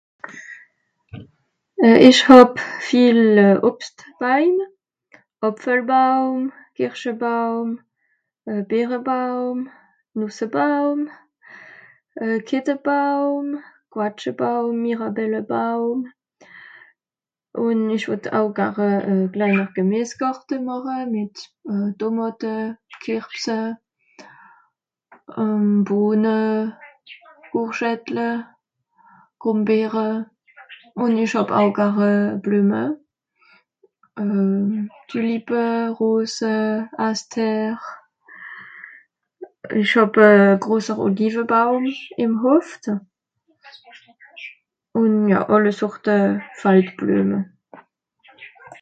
euh...ìch hàb viel euh... Obstbaim, Àpfelbaum, Kìrschebaum, euh... Beerebaum, Nùssebaum, euh... Kettebaum, ... Quatschebaum, Mirabellebaum, ùn ìch wott au gare au e kleiner Gemìesegàrte màche mìt euh... Tomàte, Kerbse, euh... Bohne, Courgettle, Grùmbeere, ùn ìch hàb au gare Blueme... euh... Tülippe, Rose, Aster. Ìch hàb e groser Olivebaum ìm Hoft, ùn ja àlle Sorte Faldblueme.